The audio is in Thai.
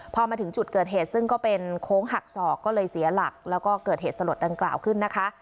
พอมาถึงจุดเกิดเหตุซึ่งก็เป็นโค้งหักศอกก็เลยเสียหลักแล้วก็เกิดเหตุสลดดังกล่าวขึ้นนะคะ